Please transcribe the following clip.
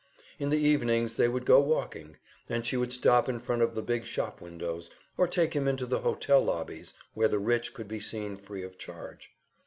In the evenings they would go walking, and she would stop in front of the big shop windows, or take him into the hotel lobbies where the rich could be seen free of charge.